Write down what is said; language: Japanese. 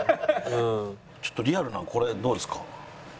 ちょっとリアルなのこれどうですか？